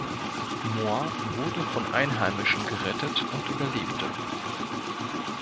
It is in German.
Mohr wurde von Einheimischen gerettet und überlebte.